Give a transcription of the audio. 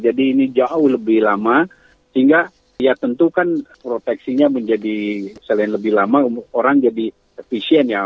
jadi ini jauh lebih lama sehingga ya tentu kan proteksinya menjadi selain lebih lama orang jadi efisien ya